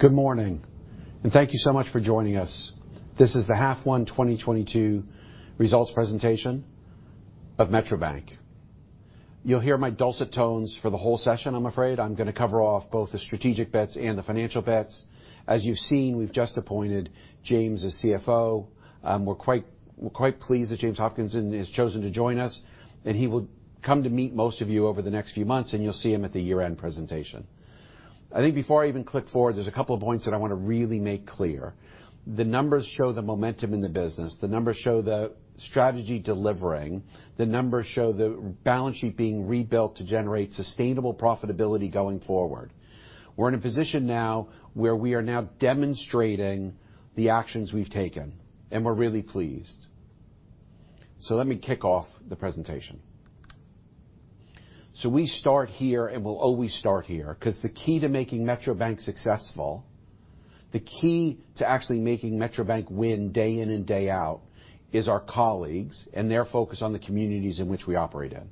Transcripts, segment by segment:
Good morning, and thank you so much for joining us. This is the H1 2022 results presentation of Metro Bank. You'll hear my dulcet tones for the whole session, I'm afraid. I'm gonna cover off both the strategic bets and the financial bets. As you've seen, we've just appointed James as CFO. We're quite pleased that James Hopkinson has chosen to join us, and he will come to meet most of you over the next few months, and you'll see him at the year-end presentation. I think before I even click forward, there's a couple of points that I wanna really make clear. The numbers show the momentum in the business. The numbers show the strategy delivering. The numbers show the balance sheet being rebuilt to generate sustainable profitability going forward. We're in a position now where we are now demonstrating the actions we've taken, and we're really pleased. Let me kick off the presentation. We start here, and we'll always start here 'cause the key to making Metro Bank successful, the key to actually making Metro Bank win day in and day out is our colleagues and their focus on the communities in which we operate in.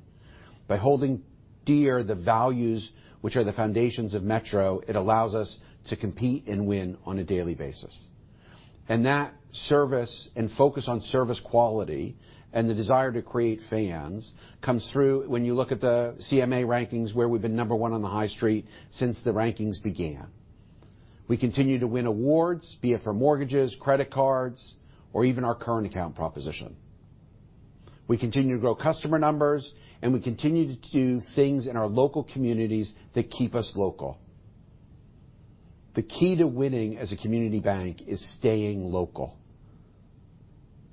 By holding dear the values which are the foundations of Metro, it allows us to compete and win on a daily basis. That service and focus on service quality and the desire to create fans comes through when you look at the CMA rankings, where we've been number one on the high street since the rankings began. We continue to win awards, be it for mortgages, credit cards, or even our current account proposition. We continue to grow customer numbers, and we continue to do things in our local communities that keep us local. The key to winning as a community bank is staying local,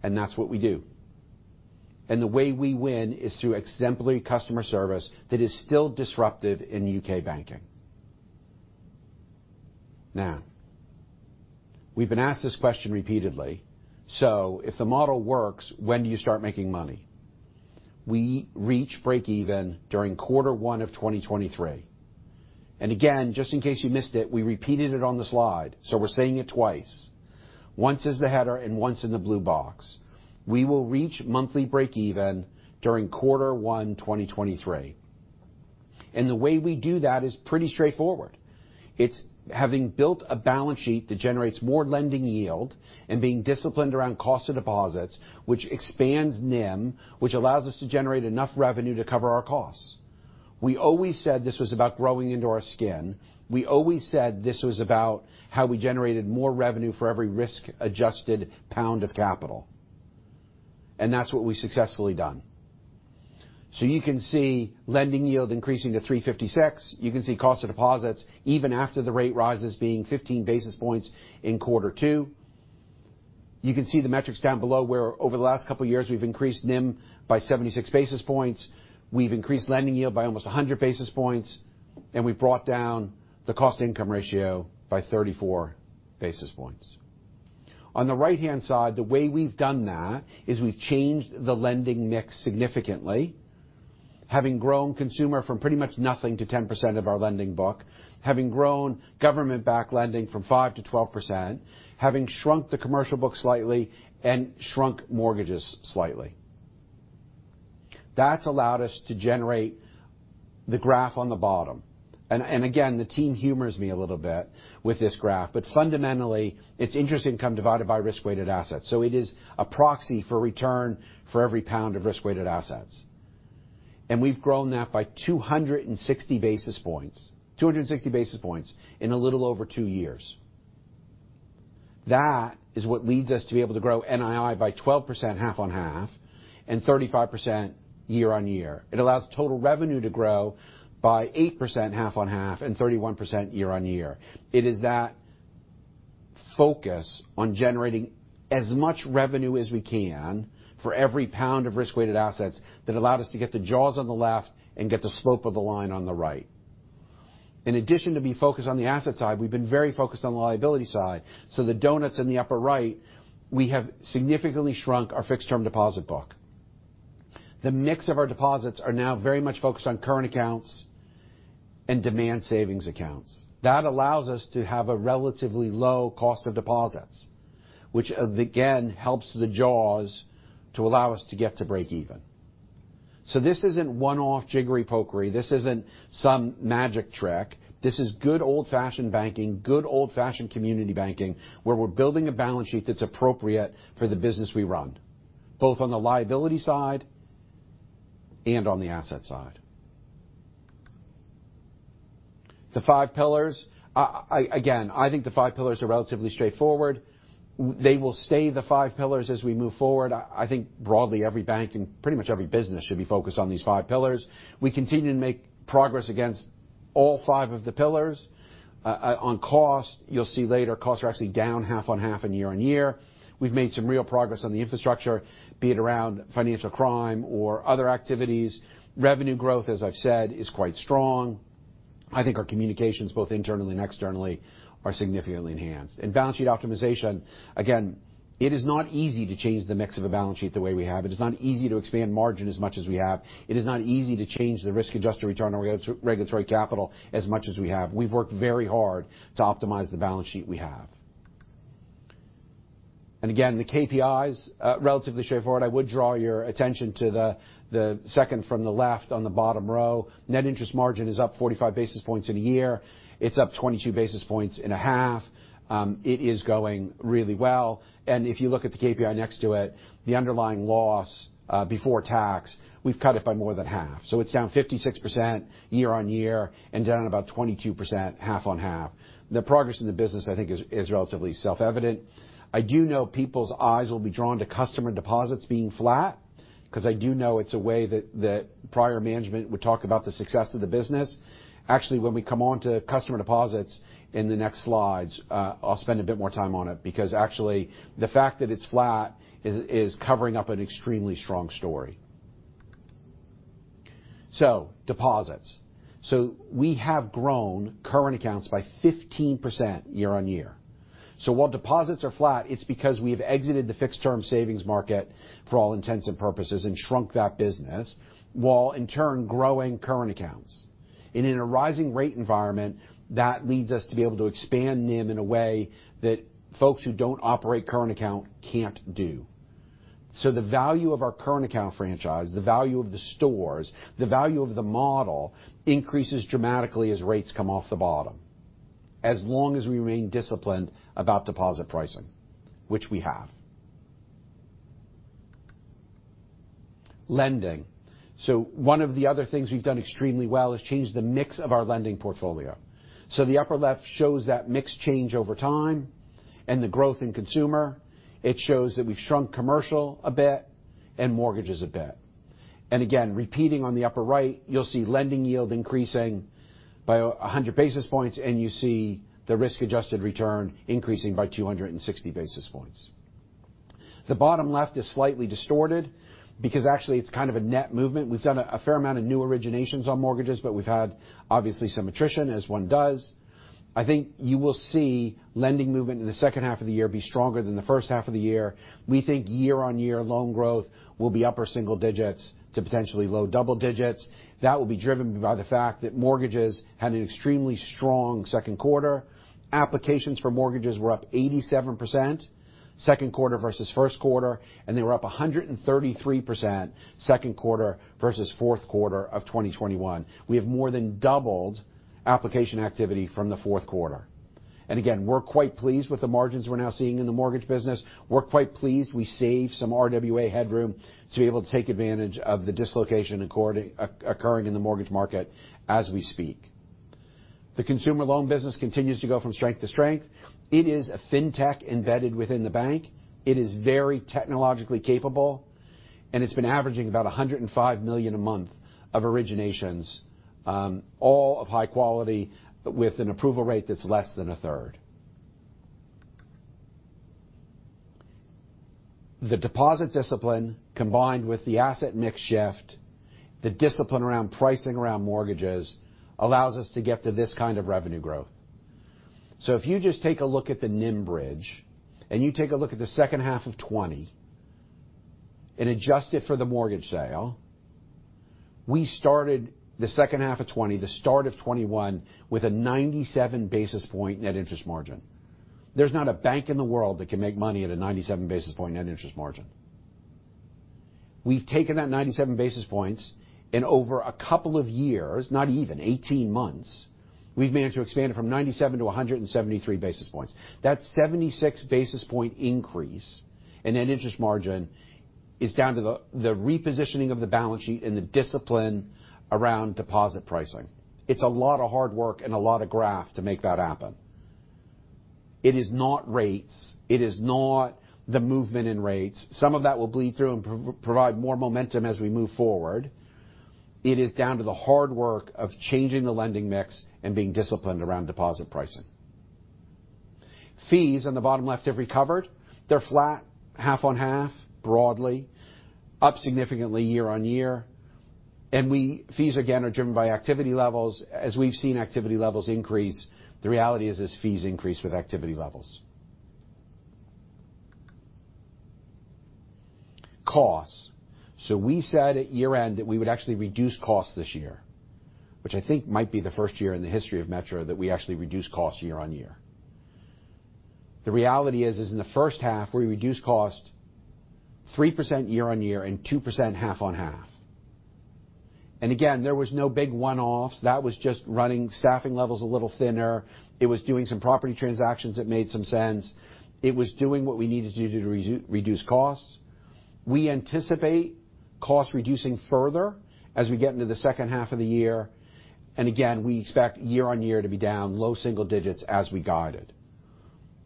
and that's what we do. The way we win is through exemplary customer service that is still disruptive in U.K. banking. Now, we've been asked this question repeatedly, so if the model works, when do you start making money? We reach break even during quarter one of 2023. Again, just in case you missed it, we repeated it on the slide, so we're saying it twice. Once as the header and once in the blue box. We will reach monthly break even during quarter one 2023. The way we do that is pretty straightforward. It's having built a balance sheet that generates more lending yield and being disciplined around cost of deposits, which expands NIM, which allows us to generate enough revenue to cover our costs. We always said this was about growing into our skin. We always said this was about how we generated more revenue for every risk-adjusted pound of capital, and that's what we've successfully done. You can see lending yield increasing to 3.56. You can see cost of deposits even after the rate rises being 15 basis points in quarter two. You can see the metrics down below where over the last couple years, we've increased NIM by 76 basis points. We've increased lending yield by almost 100 basis points, and we've brought down the cost-to-income ratio by 34 basis points. On the right-hand side, the way we've done that is we've changed the lending mix significantly, having grown consumer from pretty much nothing to 10% of our lending book, having grown government-backed lending from 5%-12%, having shrunk the commercial book slightly and shrunk mortgages slightly. That's allowed us to generate the graph on the bottom. Again, the team humors me a little bit with this graph, but fundamentally, it's interest income divided by risk-weighted assets, so it is a proxy for return for every pound of risk-weighted assets. We've grown that by 260 basis points in a little over two years. That is what leads us to be able to grow NII by 12% half-on-half and 35% year-on-year. It allows total revenue to grow by 8% half-on-half and 31% year-on-year. It is that focus on generating as much revenue as we can for every pound of risk-weighted assets that allowed us to get the jaws on the left and get the slope of the line on the right. In addition to being focused on the asset side, we've been very focused on the liability side. The donuts in the upper right, we have significantly shrunk our fixed-term deposit book. The mix of our deposits are now very much focused on current accounts and demand savings accounts. That allows us to have a relatively low cost of deposits, which, again, helps the jaws to allow us to get to break even. This isn't one-off jiggery-pokery. This isn't some magic trick. This is good old-fashioned banking, good old-fashioned community banking, where we're building a balance sheet that's appropriate for the business we run, both on the liability side and on the asset side. The five pillars. Again, I think the five pillars are relatively straightforward. They will stay the five pillars as we move forward. I think broadly every bank and pretty much every business should be focused on these five pillars. We continue to make progress against all five of the pillars. On cost, you'll see later costs are actually down half-on-half and year-on-year. We've made some real progress on the infrastructure, be it around financial crime or other activities. Revenue growth, as I've said, is quite strong. I think our communications, both internally and externally, are significantly enhanced. Balance sheet optimization, again, it is not easy to change the mix of a balance sheet the way we have. It is not easy to expand margin as much as we have. It is not easy to change the risk-adjusted return on regulatory capital as much as we have. We've worked very hard to optimize the balance sheet we have. Again, the KPIs, relatively straightforward. I would draw your attention to the second from the left on the bottom row. Net interest margin is up 45 basis points in a year. It's up 22 basis points in a half. It is going really well. And if you look at the KPI next to it, the underlying loss before tax, we've cut it by more than half. So it's down 56% year-on-year and down about 22% half-on-half. The progress in the business, I think is relatively self-evident. I do know people's eyes will be drawn to customer deposits being flat, 'cause I do know it's a way that prior management would talk about the success of the business. Actually, when we come on to customer deposits in the next slides, I'll spend a bit more time on it, because actually, the fact that it's flat is covering up an extremely strong story. Deposits. We have grown current accounts by 15% year-on-year. While deposits are flat, it's because we have exited the fixed term savings market for all intents and purposes, and shrunk that business, while in turn growing current accounts. In a rising rate environment, that leads us to be able to expand NIM in a way that folks who don't operate current account can't do. The value of our current account franchise, the value of the stores, the value of the model increases dramatically as rates come off the bottom. As long as we remain disciplined about deposit pricing, which we have. Lending. One of the other things we've done extremely well is change the mix of our lending portfolio. The upper left shows that mix change over time and the growth in consumer. It shows that we've shrunk commercial a bit and mortgages a bit. Again, repeating on the upper right, you'll see lending yield increasing by 100 basis points, and you see the risk-adjusted return increasing by 260 basis points. The bottom left is slightly distorted because actually it's kind of a net movement. We've done a fair amount of new originations on mortgages, but we've had obviously some attrition as one does. I think you will see lending movement in the H2 of the year be stronger than the H1 of the year. We think year-on-year loan growth will be upper single digits to potentially low double digits. That will be driven by the fact that mortgages had an extremely strong Q2. Applications for mortgages were up 87% Q2 versus Q1, and they were up 133% Q2 versus Q4 of 2021. We have more than doubled application activity from the Q4. We're quite pleased with the margins we're now seeing in the mortgage business. We're quite pleased we saved some RWA headroom to be able to take advantage of the dislocation occurring in the mortgage market as we speak. The consumer loan business continues to go from strength to strength. It is a fintech embedded within the bank. It is very technologically capable, and it's been averaging about 105 million a month of originations, all of high quality with an approval rate that's less than a third. The deposit discipline combined with the asset mix shift, the discipline around pricing around mortgages, allows us to get to this kind of revenue growth. If you just take a look at the NIM bridge, and you take a look at the H2 of 2020 and adjust it for the mortgage sale, we started the H2 of 2020, the start of 2021 with a 97 basis point net interest margin. There's not a bank in the world that can make money at a 97 basis point net interest margin. We've taken that 97 basis points in over a couple of years, not even 18 months, we've managed to expand it from 97 to 173 basis points. That 76 basis point increase in net interest margin is down to the repositioning of the balance sheet and the discipline around deposit pricing. It's a lot of hard work and a lot of graft to make that happen. It is not rates. It is not the movement in rates. Some of that will bleed through and provide more momentum as we move forward. It is down to the hard work of changing the lending mix and being disciplined around deposit pricing. Fees on the bottom left have recovered. They're flat half-on-half, broadly, up significantly year-on-year. Fees again are driven by activity levels. As we've seen activity levels increase, the reality is, fees increase with activity levels. Costs. We said at year-end that we would actually reduce costs this year, which I think might be the first year in the history of Metro that we actually reduce costs year-on-year. The reality is, in the H1, we reduced cost 3% year-on-year and 2% half-on-half. Again, there was no big one-offs. That was just running staffing levels a little thinner. It was doing some property transactions that made some sense. It was doing what we needed to do to reduce costs. We anticipate costs reducing further as we get into the H2 of the year. Again, we expect year-on-year to be down low single digits as we guide it.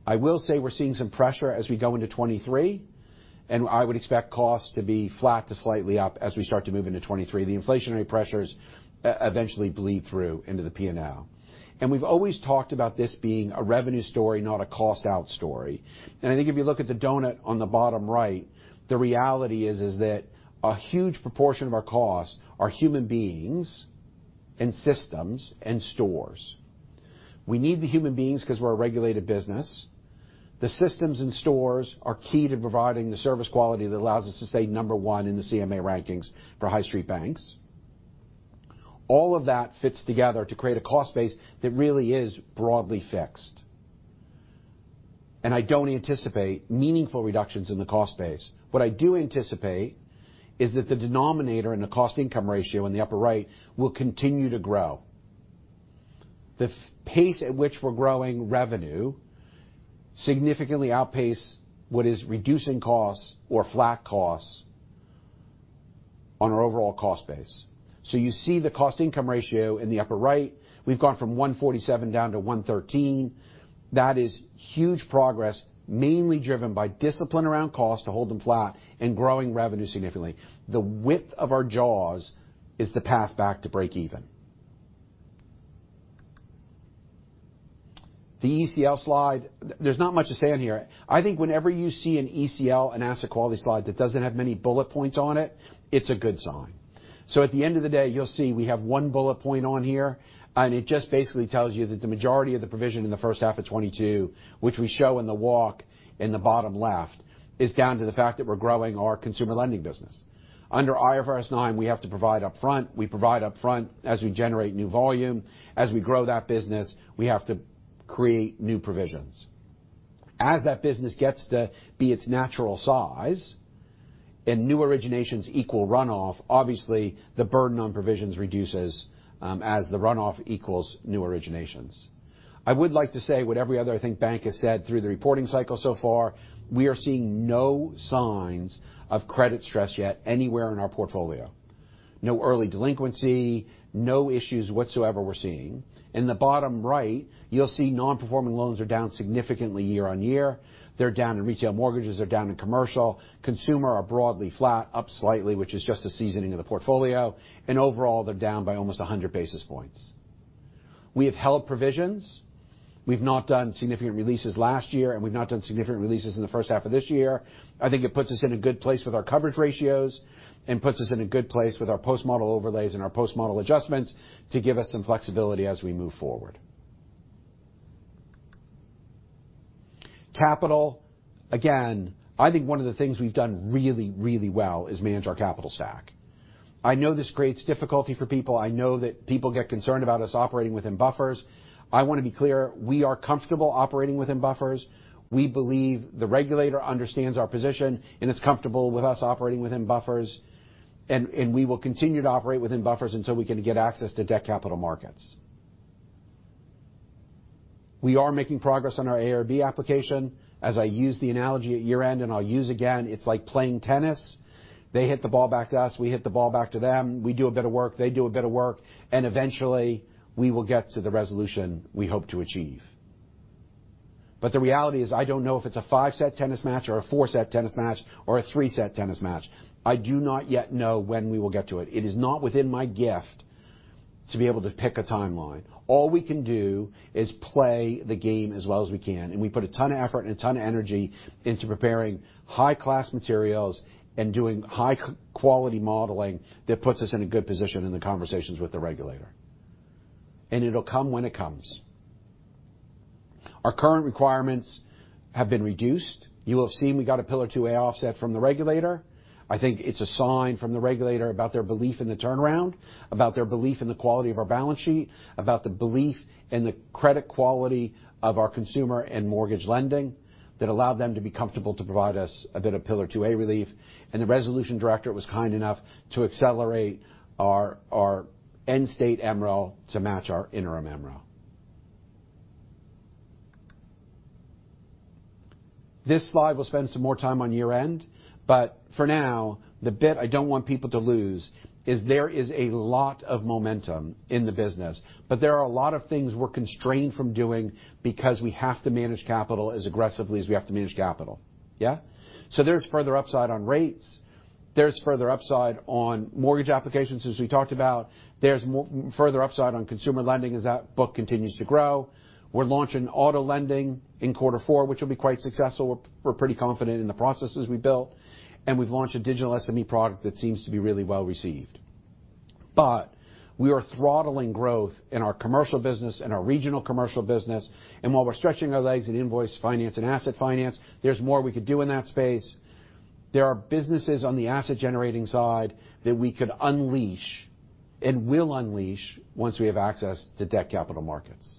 I will say we're seeing some pressure as we go into 2023, and I would expect costs to be flat to slightly up as we start to move into 2023. The inflationary pressures eventually bleed through into the P&L. We've always talked about this being a revenue story, not a cost-out story. I think if you look at the donut on the bottom right, the reality is that a huge proportion of our costs are human beings and systems and stores. We need the human beings because we're a regulated business. The systems and stores are key to providing the service quality that allows us to stay number one in the CMA rankings for high street banks. All of that fits together to create a cost base that really is broadly fixed. I don't anticipate meaningful reductions in the cost base. What I do anticipate is that the denominator in the cost-income ratio in the upper right will continue to grow. The pace at which we're growing revenue significantly outpaces what is reducing costs or flat costs on our overall cost base. You see the cost-income ratio in the upper right. We've gone from 147% down to 113%. That is huge progress, mainly driven by discipline around cost to hold them flat and growing revenue significantly. The width of our jaws is the path back to breakeven. The ECL slide, there's not much to say in here. I think whenever you see an ECL and asset quality slide that doesn't have many bullet points on it's a good sign. At the end of the day, you'll see we have one bullet point on here, and it just basically tells you that the majority of the provision in the H1 of 2022, which we show in the walk in the bottom left, is down to the fact that we're growing our consumer lending business. Under IFRS 9, we have to provide upfront. We provide upfront as we generate new volume. As we grow that business, we have to create new provisions. As that business gets to be its natural size and new originations equal runoff, obviously the burden on provisions reduces, as the runoff equals new originations. I would like to say what every other, I think, bank has said through the reporting cycle so far, we are seeing no signs of credit stress yet anywhere in our portfolio. No early delinquency, no issues whatsoever we're seeing. In the bottom right, you'll see nonperforming loans are down significantly year-on-year. They're down in retail mortgages, they're down in commercial. Consumer are broadly flat, up slightly, which is just a seasoning of the portfolio. Overall, they're down by almost 100 basis points. We have held provisions. We've not done significant releases last year, and we've not done significant releases in the H1 of this year. I think it puts us in a good place with our coverage ratios and puts us in a good place with our post-model overlays and our post-model adjustments to give us some flexibility as we move forward. Capital, again, I think one of the things we've done really, really well is manage our capital stack. I know this creates difficulty for people. I know that people get concerned about us operating within buffers. I wanna be clear, we are comfortable operating within buffers. We believe the regulator understands our position, and is comfortable with us operating within buffers. We will continue to operate within buffers until we can get access to debt capital markets. We are making progress on our AIRB application. As I used the analogy at year-end, and I'll use again, it's like playing tennis. They hit the ball back to us, we hit the ball back to them, we do a bit of work, they do a bit of work, and eventually we will get to the resolution we hope to achieve. The reality is, I don't know if it's a five-set tennis match or a four-set tennis match or a three-set tennis match. I do not yet know when we will get to it. It is not within my gift to be able to pick a timeline. All we can do is play the game as well as we can, and we put a ton of effort and a ton of energy into preparing high-class materials and doing high quality modeling that puts us in a good position in the conversations with the regulator. It'll come when it comes. Our current requirements have been reduced. You will have seen we got a Pillar 2A offset from the regulator. I think it's a sign from the regulator about their belief in the turnaround, about their belief in the quality of our balance sheet, about the belief in the credit quality of our consumer and mortgage lending that allowed them to be comfortable to provide us a bit of Pillar 2A relief. The resolution director was kind enough to accelerate our end state MREL to match our interim MREL. This slide, we'll spend some more time on year-end, but for now, the bit I don't want people to lose is there is a lot of momentum in the business, but there are a lot of things we're constrained from doing because we have to manage capital as aggressively as we have to manage capital. Yeah? There's further upside on rates. There's further upside on mortgage applications, as we talked about. There's further upside on consumer lending as that book continues to grow. We're launching auto lending in quarter four, which will be quite successful. We're pretty confident in the processes we built. We've launched a digital SME product that seems to be really well-received. We are throttling growth in our commercial business and our regional commercial business. While we're stretching our legs in invoice finance and asset finance, there's more we could do in that space. There are businesses on the asset-generating side that we could unleash and will unleash once we have access to debt capital markets.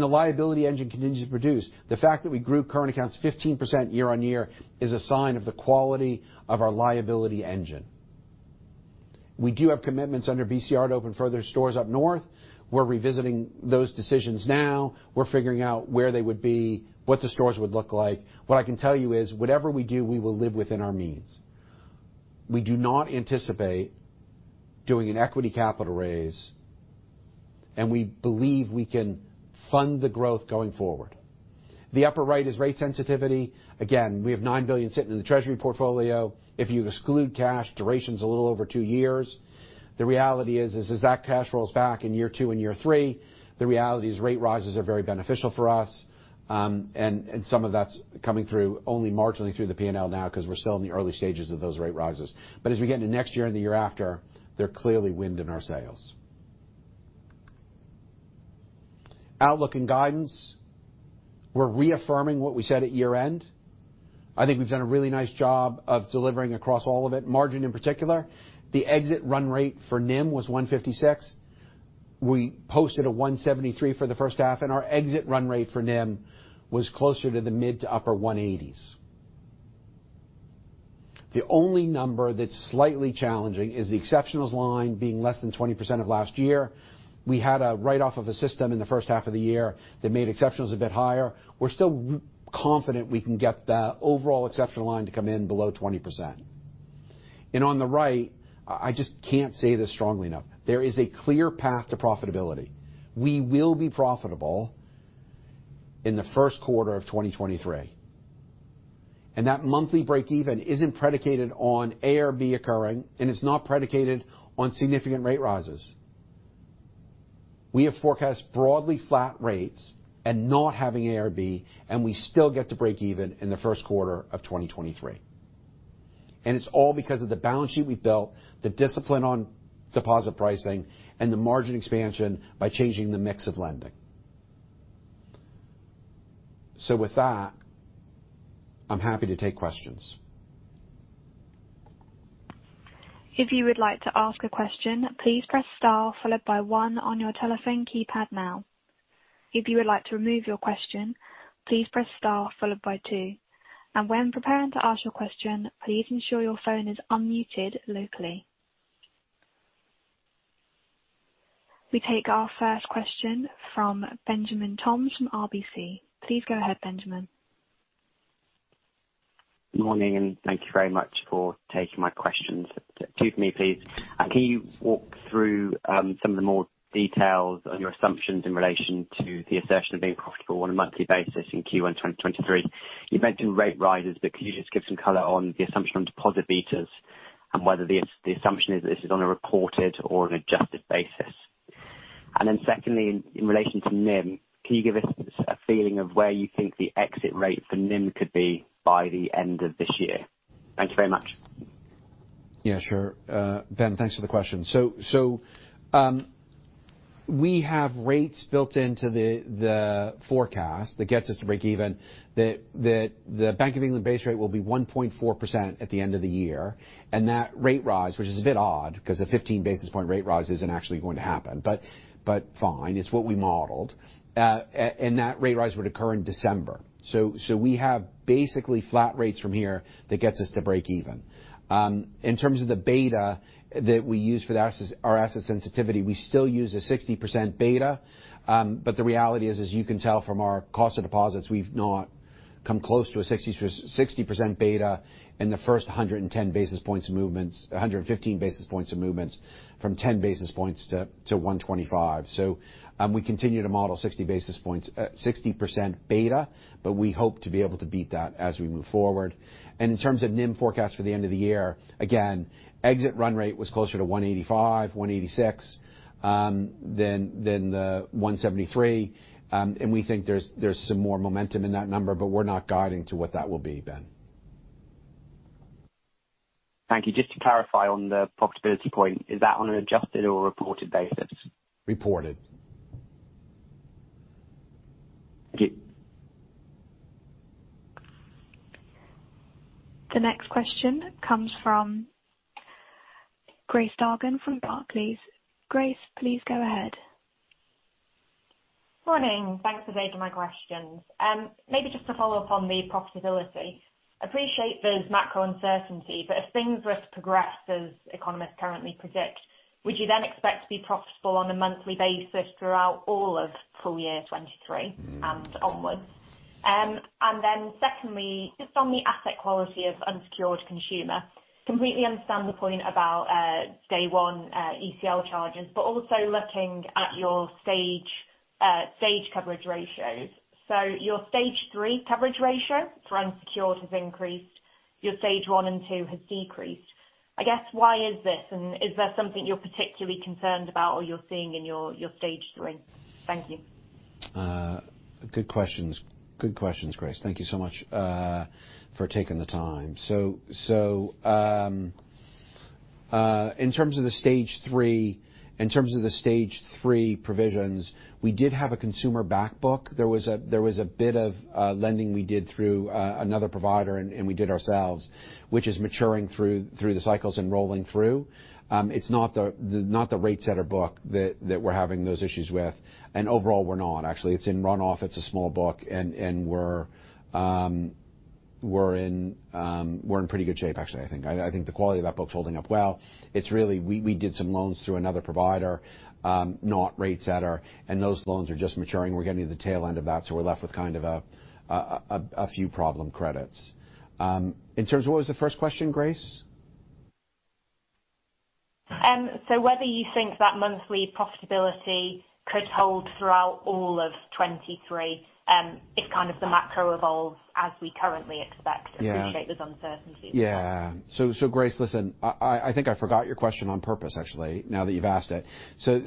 The liability engine continues to produce. The fact that we grew current accounts 15% year-on-year is a sign of the quality of our liability engine. We do have commitments under BCR to open further stores up north. We're revisiting those decisions now. We're figuring out where they would be, what the stores would look like. What I can tell you is whatever we do, we will live within our means. We do not anticipate doing an equity capital raise, and we believe we can fund the growth going forward. The upper right is rate sensitivity. Again, we have 9 billion sitting in the treasury portfolio. If you exclude cash, duration's a little over two years. The reality is that cash rolls back in year two and year three. The reality is rate rises are very beneficial for us. And some of that's coming through only marginally through the P&L now 'cause we're still in the early stages of those rate rises. As we get into next year and the year after, they're clearly wind in our sails. Outlook and guidance. We're reaffirming what we said at year-end. I think we've done a really nice job of delivering across all of it. Margin in particular, the exit run rate for NIM was 156. We posted a 173 for the H1, and our exit run rate for NIM was closer to the mid- to upper-180s. The only number that's slightly challenging is the exceptionals line being less than 20% of last year. We had a write-off of a system in the H1 of the year that made exceptionals a bit higher. We're still confident we can get the overall exceptional line to come in below 20%. On the right, I just can't say this strongly enough, there is a clear path to profitability. We will be profitable in the H1 of 2023, and that monthly break even isn't predicated on AIRB occurring, and it's not predicated on significant rate rises. We have forecast broadly flat rates and not having AIRB, and we still get to break even in the Q1 of 2023. It's all because of the balance sheet we've built, the discipline on deposit pricing and the margin expansion by changing the mix of lending. With that, I'm happy to take questions. If you would like to ask a question, please press star followed by one on your telephone keypad now. If you would like to remove your question, please press star followed by two, and when preparing to ask your question, please ensure your phone is unmuted locally. We take our first question from Benjamin Toms from RBC. Please go ahead, Benjamin. Morning, and thank you very much for taking my questions. Two for me, please. Can you walk through some of the more details on your assumptions in relation to the assertion of being profitable on a monthly basis in Q1 2023? You've mentioned rate rises, but can you just give some color on the assumption on deposit betas and whether the assumption is this on a reported or an adjusted basis? Secondly, in relation to NIM, can you give us a feeling of where you think the exit rate for NIM could be by the end of this year? Thank you very much. Yeah, sure. Ben, thanks for the question. We have rates built into the forecast that gets us to break even. The Bank of England base rate will be 1.4% at the end of the year. That rate rise, which is a bit odd because a 15 basis point rate rise isn't actually going to happen. But fine, it's what we modeled, and that rate rise would occur in December. We have basically flat rates from here that gets us to break even. In terms of the beta that we use for our asset sensitivity, we still use a 60% beta. The reality is, as you can tell from our cost of deposits, we've not come close to a 60% beta in the first 115 basis points of movements from 10 basis points to 125. We continue to model 60 basis points, 60% beta, but we hope to be able to beat that as we move forward. In terms of NIM forecast for the end of the year, again, exit run rate was closer to 185, 186 than the 173. We think there's some more momentum in that number, but we're not guiding to what that will be, Ben. Thank you. Just to clarify on the profitability point, is that on an adjusted or reported basis? Reported. Thank you. The next question comes from Grace Dargan from Barclays. Grace, please go ahead. Morning. Thanks for taking my questions. Maybe just to follow up on the profitability. Appreciate there's macro uncertainty, but if things were to progress as economists currently predict, would you then expect to be profitable on a monthly basis throughout all of full year 2023 and onwards? And then secondly, just on the asset quality of unsecured consumer, completely understand the point about day one ECL charges, but also looking at your stage coverage ratios. Your stage three coverage ratio for unsecured has increased. Your stage one and two has decreased. I guess why is this, and is there something you're particularly concerned about or you're seeing in your stage three? Thank you. Good questions. Good questions, Grace. Thank you so much for taking the time. In terms of the Stage three provisions, we did have a consumer back book. There was a bit of lending we did through another provider and we did ourselves, which is maturing through the cycles and rolling through. It's not the RateSetter book that we're having those issues with, and overall we're not. Actually, it's in run-off. It's a small book and we're in pretty good shape, actually, I think. I think the quality of that book's holding up well. It's really we did some loans through another provider, not RateSetter, and those loans are just maturing. We're getting to the tail end of that, so we're left with kind of a few problem credits. What was the first question, Grace? Whether you think that monthly profitability could hold throughout all of 2023, if kind of the macro evolves as we currently expect? Yeah. I appreciate there's uncertainty. Yeah. Grace Dargan, listen, I think I forgot your question on purpose actually, now that you've asked it. This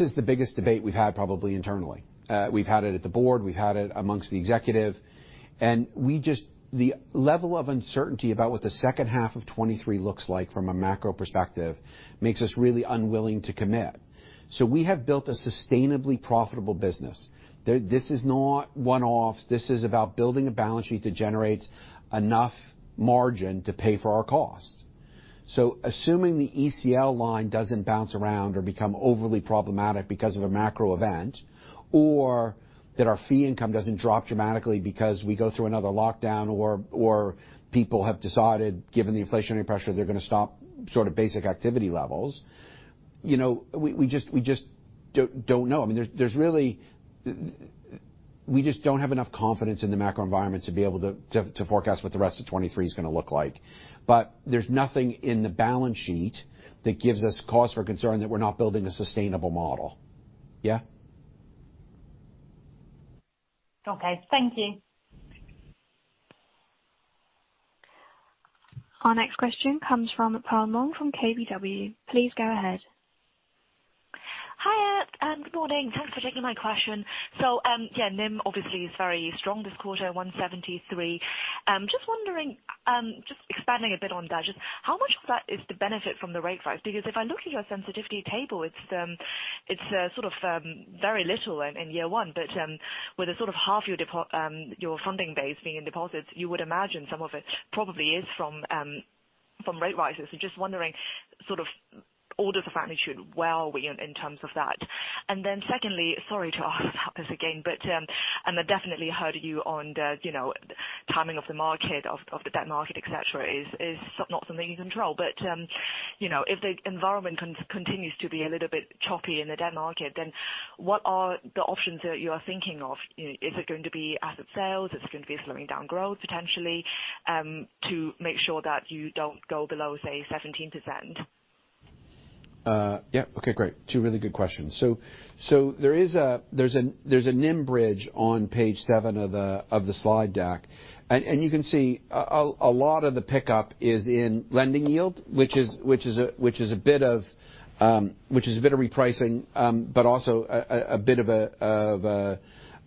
is the biggest debate we've had probably internally. We've had it at the board, we've had it amongst the executive, and the level of uncertainty about what the H1 of 2023 looks like from a macro perspective makes us really unwilling to commit. We have built a sustainably profitable business. This is not one-offs. This is about building a balance sheet that generates enough margin to pay for our cost. Assuming the ECL line doesn't bounce around or become overly problematic because of a macro event, or that our fee income doesn't drop dramatically because we go through another lockdown, or people have decided, given the inflationary pressure, they're gonna stop sort of basic activity levels, you know, we just don't know. I mean, there's really. We just don't have enough confidence in the macro environment to be able to forecast what the rest of 2023 is gonna look like. There's nothing in the balance sheet that gives us cause for concern that we're not building a sustainable model. Yeah? Okay. Thank you. Our next question comes from Thomas Hallett from KBW. Please go ahead. Hiya, good morning. Thanks for taking my question. Yeah, NIM obviously is very strong this quarter, 1.73%. Just wondering, just expanding a bit on that, just how much of that is the benefit from the rate rise? Because if I look at your sensitivity table, it's sort of very little in year one, but with a sort of half your funding base being in deposits, you would imagine some of it probably is from rate rises. Just wondering sort of order of magnitude, where are we in terms of that? Then secondly, sorry to ask this again, but I definitely heard you on the, you know, timing of the market, of the debt market, et cetera, is not something you can control. You know, if the environment continues to be a little bit choppy in the debt market, then what are the options that you are thinking of? Is it going to be asset sales? Is it gonna be slowing down growth potentially, to make sure that you don't go below, say, 17%? Yeah. Okay, great. Two really good questions. There's a NIM bridge on page seven of the slide deck. You can see a lot of the pickup is in lending yield, which is a bit of repricing, but also a bit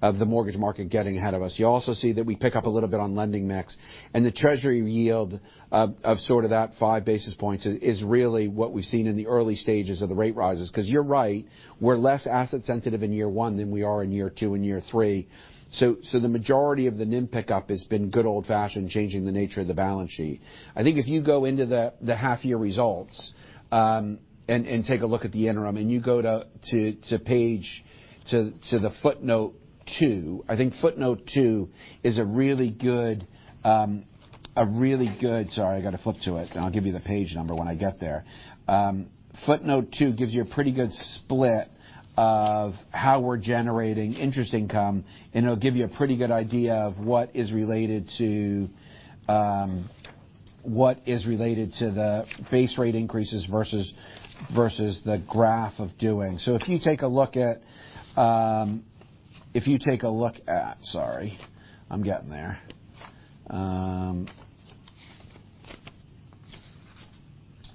of the mortgage market getting ahead of us. You also see that we pick up a little bit on lending mix, and the Treasury yield of sort of that five basis points is really what we've seen in the early stages of the rate rises. 'Cause you're right, we're less asset sensitive in year one than we are in year two and year three. The majority of the NIM pickup has been good old-fashioned changing the nature of the balance sheet. I think if you go into the half-year results and take a look at the interim, and you go to the footnote two. I think footnote two is a really good one. Sorry, I gotta flip to it, and I'll give you the page number when I get there. Footnote two gives you a pretty good split of how we're generating interest income, and it'll give you a pretty good idea of what is related to the base rate increases versus the growth in deposits. If you take a look at it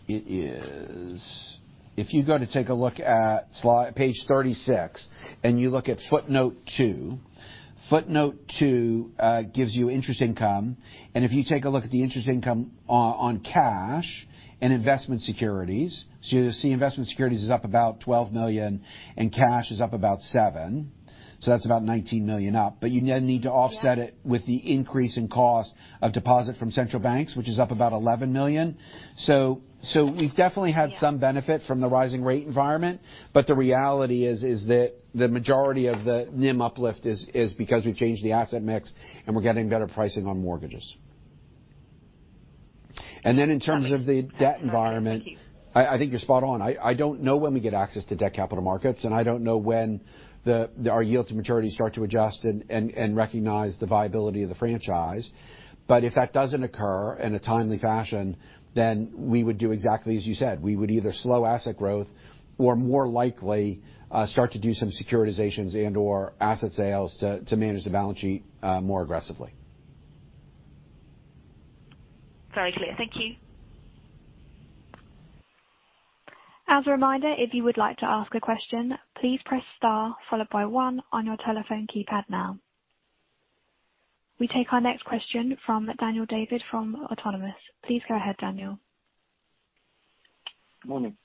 is. If you go to take a look at page 36, and you look at footnote two, gives you interest income. If you take a look at the interest income on cash and investment securities, so you'll see investment securities is up about 12 million, and cash is up about seven, so that's about 19 million up. You then need to offset it with the increase in cost of deposit from central banks, which is up about 11 million. We've definitely had some benefit from the rising rate environment, but the reality is that the majority of the NIM uplift is because we've changed the asset mix, and we're getting better pricing on mortgages. In terms of the debt environment, I think you're spot on. I don't know when we get access to debt capital markets, and I don't know when our yield to maturity start to adjust and recognize the viability of the franchise. If that doesn't occur in a timely fashion, then we would do exactly as you said. We would either slow asset growth or, more likely, start to do some securitizations and/or asset sales to manage the balance sheet more aggressively. Very clear. Thank you. As a reminder, if you would like to ask a question, please press star followed by one on your telephone keypad now. We take our next question from Daniel David from Autonomous. Please go ahead, Daniel. Morning.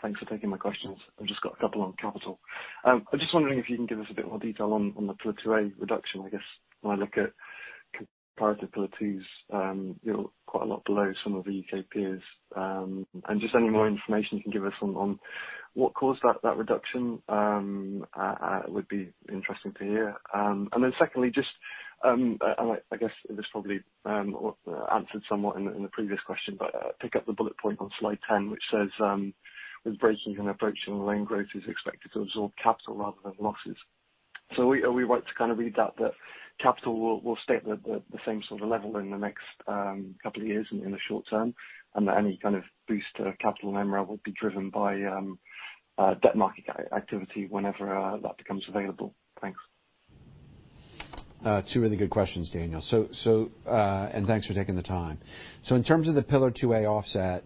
Thanks for taking my questions. I've just got a couple on capital. I'm just wondering if you can give us a bit more detail on the Pillar 2A reduction. I guess, when I look at comparative Pillar 2s, you're quite a lot below some of the U.K. peers. Just any more information you can give us on what caused that reduction would be interesting to hear. Secondly, I guess this probably was answered somewhat in the previous question, but pick up the bullet point on slide 10, which says, with rates increasing, approaching loan growth is expected to absorb capital rather than losses. Are we right to kind of read that capital will stay at the same sort of level in the next couple of years in the short term, and that any kind of boost to capital and MREL will be driven by debt market activity whenever that becomes available? Thanks. Two really good questions, Daniel. Thanks for taking the time. In terms of the Pillar 2A offset,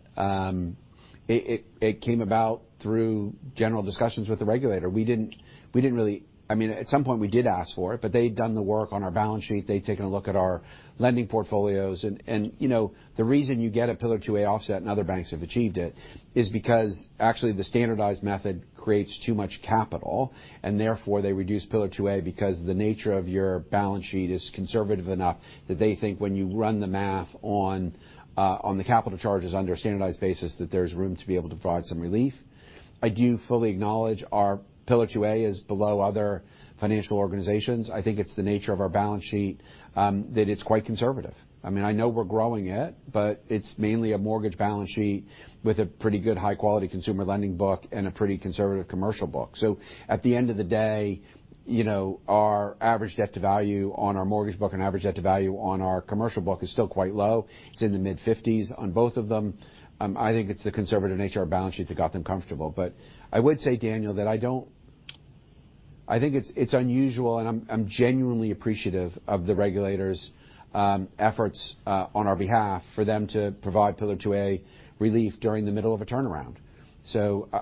it came about through general discussions with the regulator. We didn't really. I mean, at some point we did ask for it, but they'd done the work on our balance sheet. They'd taken a look at our lending portfolios and you know, the reason you get a Pillar 2A offset, and other banks have achieved it, is because actually the standardized method creates too much capital and therefore they reduce Pillar 2A because the nature of your balance sheet is conservative enough that they think when you run the math on the capital charges under a standardized basis, that there's room to be able to provide some relief. I do fully acknowledge our Pillar 2A is below other financial organizations. I think it's the nature of our balance sheet that it's quite conservative. I mean, I know we're growing it, but it's mainly a mortgage balance sheet with a pretty good high-quality consumer lending book and a pretty conservative commercial book. At the end of the day, you know, our average debt to value on our mortgage book and average debt to value on our commercial book is still quite low. It's in the mid-fifties on both of them. I think it's the conservative nature of balance sheet that got them comfortable. I would say, Daniel, that I think it's unusual and I'm genuinely appreciative of the regulators' efforts upon our behalf for them to provide Pillar 2A relief during the middle of a turnaround.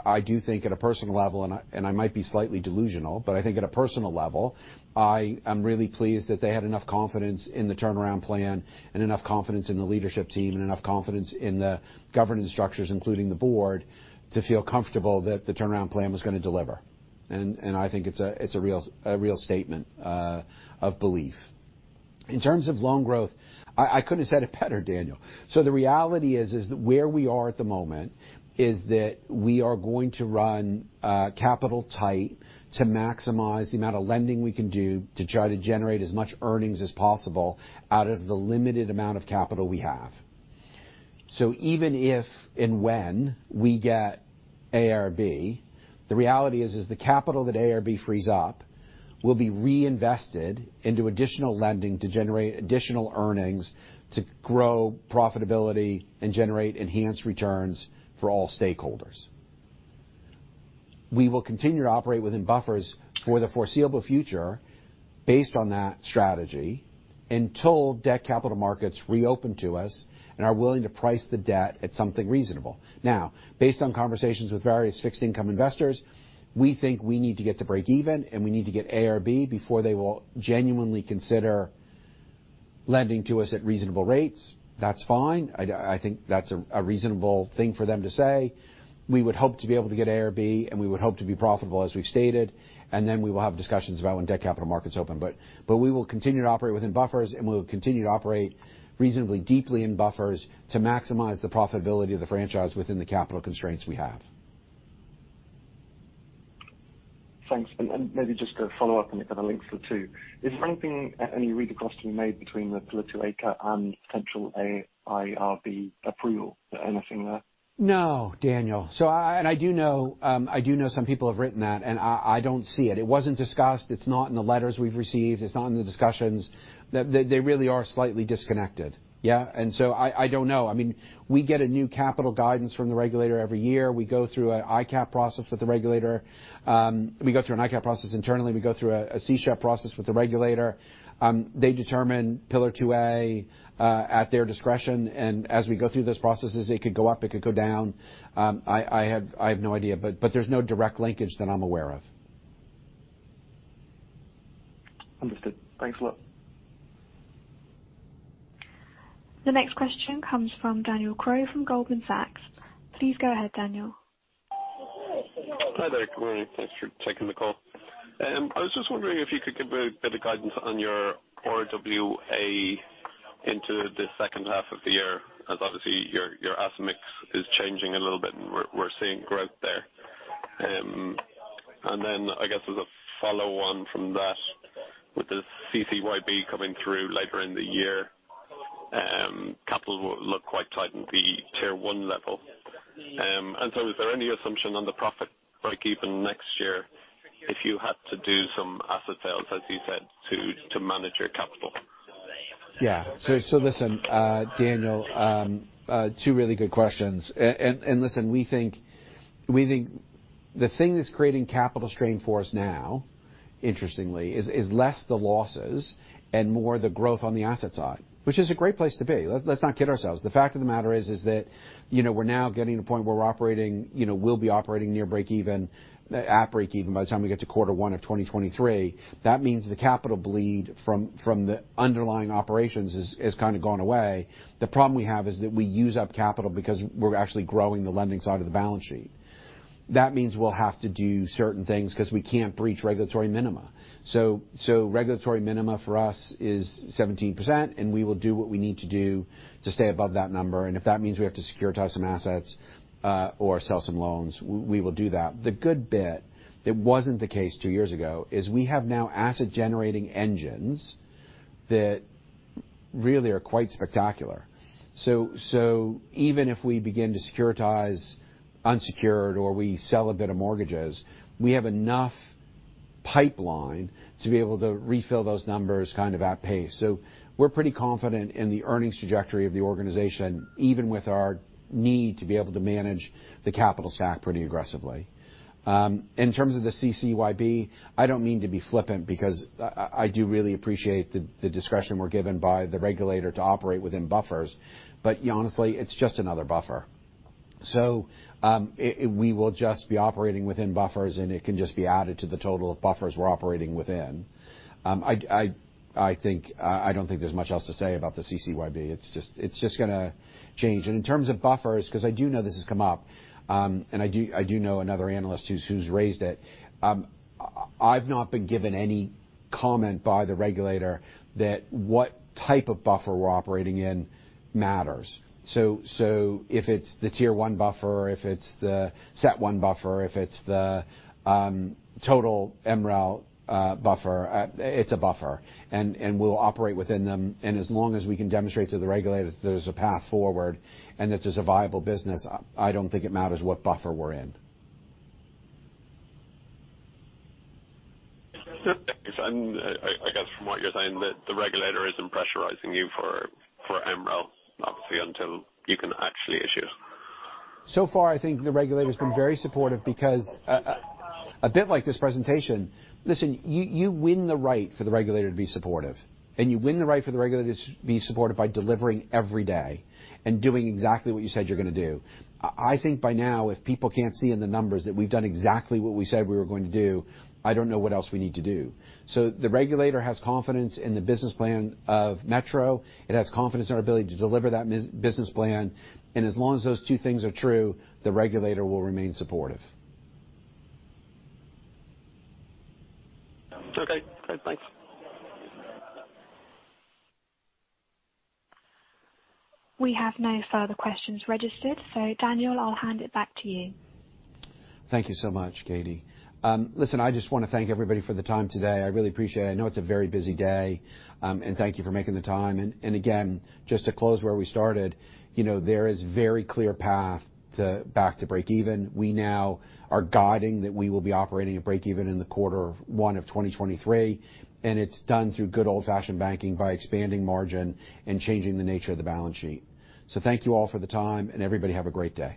I do think at a personal level, and I might be slightly delusional, but I think at a personal level, I am really pleased that they had enough confidence in the turnaround plan and enough confidence in the leadership team and enough confidence in the governance structures, including the board, to feel comfortable that the turnaround plan was gonna deliver. I think it's a real statement of belief. In terms of loan growth, I couldn't have said it better, Daniel. The reality is that where we are at the moment is that we are going to run capital tight to maximize the amount of lending we can do to try to generate as much earnings as possible out of the limited amount of capital we have. Even if and when we get AIRB, the reality is the capital that AIRB frees up will be reinvested into additional lending to generate additional earnings to grow profitability and generate enhanced returns for all stakeholders. We will continue to operate within buffers for the foreseeable future based on that strategy until debt capital markets reopen to us and are willing to price the debt at something reasonable. Based on conversations with various fixed income investors, we think we need to get to breakeven, and we need to get AIRB before they will genuinely consider lending to us at reasonable rates. That's fine. I think that's a reasonable thing for them to say. We would hope to be able to get AIRB, and we would hope to be profitable, as we've stated, and then we will have discussions about when debt capital markets open. We will continue to operate within buffers, and we will continue to operate reasonably deeply in buffers to maximize the profitability of the franchise within the capital constraints we have. Thanks. Maybe just to follow up and kind of link the two, is there anything, any read-across to be made between the Pillar 2A cut and potential AIRB approval? Anything there? No, Daniel. I do know some people have written that, and I don't see it. It wasn't discussed. It's not in the letters we've received. It's not in the discussions. They really are slightly disconnected. Yeah. I don't know. I mean, we get a new capital guidance from the regulator every year. We go through an ICAAP process with the regulator. We go through an ICAAP process internally. We go through a SREP process with the regulator. They determine Pillar 2A at their discretion, and as we go through those processes, it could go up, it could go down. I have no idea, but there's no direct linkage that I'm aware of. Understood. Thanks a lot. The next question comes from Aman Sheriff from Goldman Sachs. Please go ahead, Daniel. Hi there. Good morning. Thanks for taking the call. I was just wondering if you could give a bit of guidance on your RWA into the H2 of the year, as obviously your asset mix is changing a little bit, and we're seeing growth there. I guess as a follow-on from that, with the CCYB coming through later in the year, capital will look quite tight on the Tier 1 level. Is there any assumption on the profit breakeven next year if you had to do some asset sales, as you said, to manage your capital? Yeah. Listen, Daniel, two really good questions. Listen, we think the thing that's creating capital strain for us now, interestingly, is less the losses and more the growth on the asset side, which is a great place to be. Let's not kid ourselves. The fact of the matter is that, you know, we're now getting to the point where we're operating, you know, we'll be operating near breakeven, at breakeven by the time we get to quarter one of 2023. That means the capital bleed from the underlying operations is kind of gone away. The problem we have is that we use up capital because we're actually growing the lending side of the balance sheet. That means we'll have to do certain things 'cause we can't breach regulatory minima. Regulatory minima for us is 17%, and we will do what we need to do to stay above that number. If that means we have to securitize some assets, or sell some loans, we will do that. The good bit, that wasn't the case two years ago, is we have now asset-generating engines that really are quite spectacular. Even if we begin to securitize unsecured or we sell a bit of mortgages, we have enough pipeline to be able to refill those numbers kind of at pace. We're pretty confident in the earnings trajectory of the organization, even with our need to be able to manage the capital stack pretty aggressively. In terms of the CCYB, I don't mean to be flippant because I do really appreciate the discretion we're given by the regulator to operate within buffers. Honestly, it's just another buffer. We will just be operating within buffers, and it can just be added to the total buffers we're operating within. I think I don't think there's much else to say about the CCYB. It's just gonna change. In terms of buffers, 'cause I do know this has come up, and I do know another analyst who's raised it. I've not been given any comment by the regulator that what type of buffer we're operating in matters. If it's the Tier 1 buffer or if it's the CET1 buffer or if it's the total MREL buffer, it's a buffer. We'll operate within them. As long as we can demonstrate to the regulators there's a path forward and that there's a viable business, I don't think it matters what buffer we're in. I guess from what you're saying, the regulator isn't pressurizing you for MREL, obviously, until you can actually issue. So far, I think the regulator's been very supportive. Listen, you win the right for the regulator to be supportive, and you win the right for the regulator to be supportive by delivering every day and doing exactly what you said you're gonna do. I think by now, if people can't see in the numbers that we've done exactly what we said we were going to do, I don't know what else we need to do. The regulator has confidence in the business plan of Metro. It has confidence in our ability to deliver that business plan. As long as those two things are true, the regulator will remain supportive. Okay. Okay, thanks. We have no further questions registered. Daniel, I'll hand it back to you. Thank you so much, Katie. Listen, I just wanna thank everybody for the time today. I really appreciate it. I know it's a very busy day. Thank you for making the time. Again, just to close where we started, you know, there is very clear path to back to break even. We now are guiding that we will be operating at break even in quarter one of 2023, and it's done through good old-fashioned banking by expanding margin and changing the nature of the balance sheet. Thank you all for the time, and everybody have a great day.